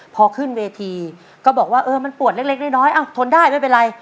พอขึ้นเวทีก็บอกว่าเออมันปวดเล็กน้อยอ้าวทนได้ไม่เป็นไร